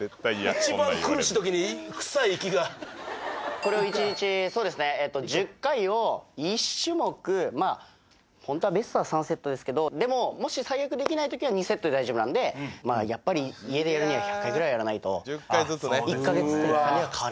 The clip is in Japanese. これを１日１０回を１種目ホントはベストは３セットですけどでももし最悪できないときは２セットで大丈夫なんでやっぱり家でやるには１００回ぐらいやらないと１カ月とかでは変われない。